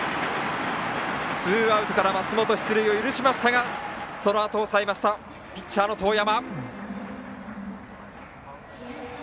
ツーアウトから松本、出塁を許しましたがそのあとを抑えましたピッチャーの當山。